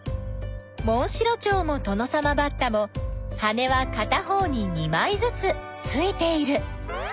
モンシロチョウもトノサマバッタも羽はかた方に２まいずつついている。